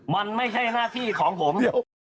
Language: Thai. มันไม่ใช่หน้าที่ของผม